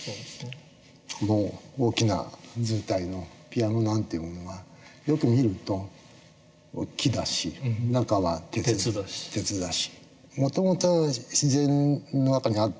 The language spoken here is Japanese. この大きなずうたいのピアノなんていうものはよく見ると木だし中は鉄だし。